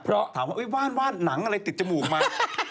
ถามว่าว่านว่านหนังอะไรติดจมูกมา